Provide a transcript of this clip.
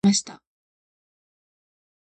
服を着替えました。